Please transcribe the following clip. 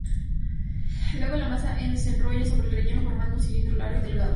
Luego la masa se enrolla sobre el relleno formando un cilindro largo y delgado.